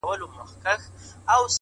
ژور انسان ژورې پوښتنې کوي؛